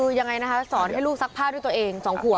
คือยังไงนะคะสอนให้ลูกซักผ้าด้วยตัวเอง๒ขวบ